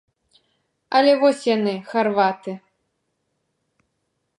Але вось яны, харваты.